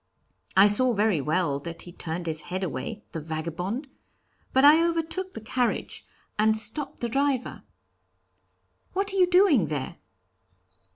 I saw very well that he turned his head away, the vagabond! But I overtook the carriage and stopped the driver. 'What are you doing there?'